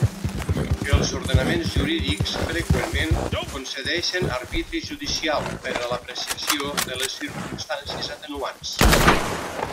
Els ordenaments jurídics freqüentment concedeixen arbitri judicial per a l'apreciació de les circumstàncies atenuants.